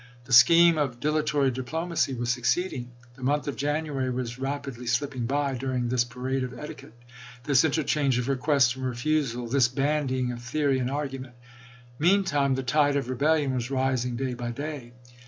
The scheme of dilatory diplomacy was succeeding. The month of January was rapidly slipping by during this parade of etiquette, this interchange of request and refusal, this bandying of theory and argument. Meantime the tide of rebellion was rising day by day.